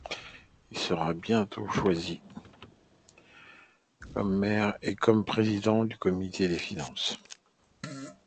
Il sera bientôt choisi comme maire et comme président du comité des finances.